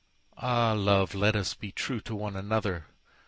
Ah, love, let us be trueTo one another!